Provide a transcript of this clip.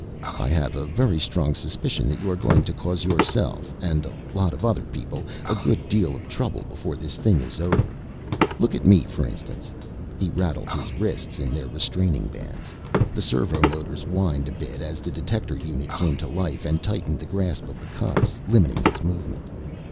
"I have a very strong suspicion that you are going to cause yourself and a lot of other people a good deal of trouble before this thing is over. Look at me for instance " he rattled his wrists in their restraining bands. The servo motors whined a bit as the detector unit came to life and tightened the grasp of the cuffs, limiting his movement.